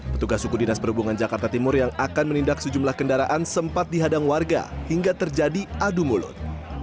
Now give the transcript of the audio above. petugas suku dinas perhubungan jakarta timur yang akan menindak sejumlah kendaraan sempat dihadang warga hingga terjadi adu mulut